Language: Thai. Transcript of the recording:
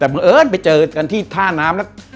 แต่บังเอิญไปเจอกันที่ท่าน้ำแล้ว